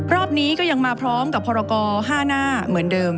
รอบนี้ก็ยังมาพร้อมกับพรกร๕หน้าเหมือนเดิม